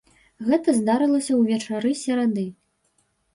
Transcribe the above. Гэта здарылася ўвечары серады.